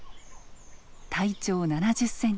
体長７０センチ。